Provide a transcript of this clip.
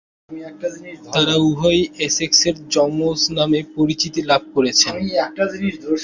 তারা উভয়েই এসেক্সের যমজ নামে পরিচিতি লাভ করেছেন।